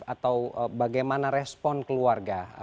atau bagaimana respon keluarga